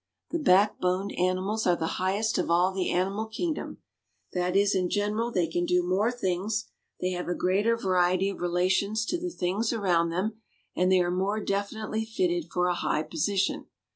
The backboned animals are the highest of all the animal kingdom. That is, in general; they can do more things, they have a greater variety of relations to the things around them, and they are more definitely fitted for a high position.